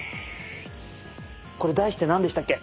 これ題して何でしたっけ？